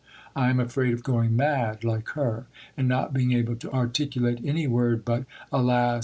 _ I am afraid of going mad like her and not being able to articulate any word but _Alas! alas!